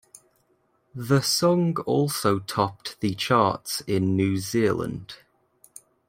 The song also topped the charts in New Zealand.